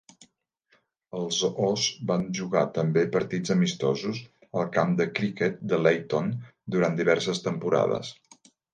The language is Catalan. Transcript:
Els Os van jugar també partits amistosos al Camp de Cricket de Leyton durant diverses temporades.